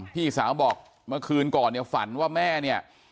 พี่สาวบอกเมื่อคืนก่อนเนี่ยฝันว่าแม่เนี่ย